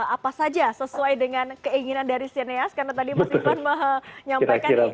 apa saja sesuai dengan keinginan dari sineas karena tadi mas ivan menyampaikan nih